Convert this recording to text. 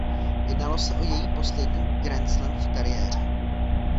Jednalo se o její poslední grandslam v kariéře.